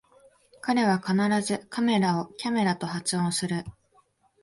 彼は必ずカメラをキャメラと発音する